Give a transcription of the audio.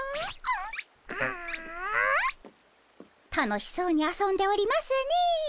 楽しそうに遊んでおりますねえ。